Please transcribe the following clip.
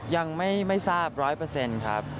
ยังไม่ทราบ๑๐๐ครับ